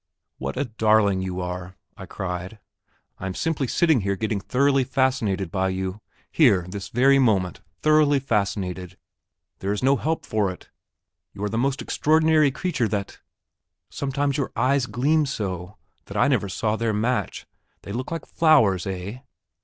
"What a darling you are," I cried. "I am simply sitting here getting thoroughly fascinated by you here this very moment thoroughly fascinated.... There is no help for it.... You are the most extraordinary creature that ... sometimes your eyes gleam so, that I never saw their match; they look like flowers ... eh?